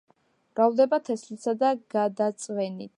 მრავლდება თესლითა და გადაწვენით.